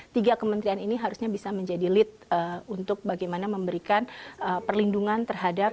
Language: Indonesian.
tiga kementerian ini harusnya bisa menjadi lead untuk bagaimana memberikan perlindungan terhadap